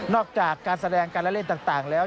อกจากการแสดงการละเล่นต่างแล้ว